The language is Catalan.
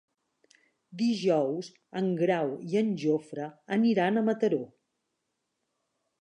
Dijous en Grau i en Jofre aniran a Mataró.